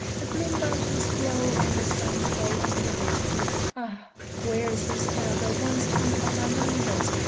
The blue mountains glow in the sun's golden light; Ah, where is the spell that once hung on my numbers?